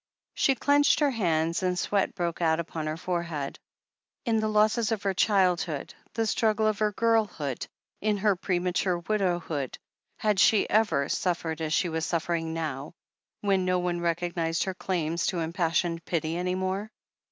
She clenched her hands, and sweat broke out upon her forehead. In the losses of her childhood, the struggle of her girlhood, in her premature widowhood, had she ever suffered as she was suffering now, when no one recog nized her claims to impassioned pity any more